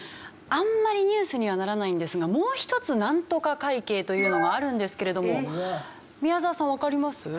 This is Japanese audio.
あんまりニュースにはならないんですがもう一つ「なんとか会計」というのがあるんですけれども宮澤さんわかります？